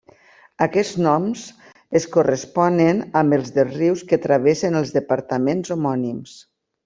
Aquests noms es corresponen amb els dels rius que travessen els departaments homònims.